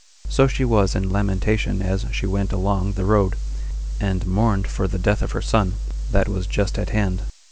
So she was in lamentation as she went along the road, and mourned for the death of her son, that was just at hand.